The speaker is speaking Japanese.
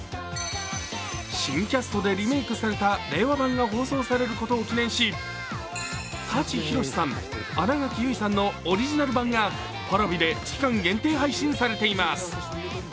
新キャストでリメークされた令和版が放送されることを記念し舘ひろしさん、新垣結衣さんのオリジナル版が、Ｐａｒａｖｉで期間限定配信されています。